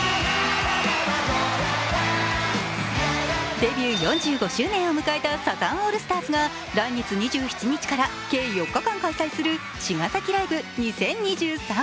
デビュー４５周年を迎えたサザンオールスターズが来月２７日から計４日間開催する茅ヶ崎ライブ２０２３。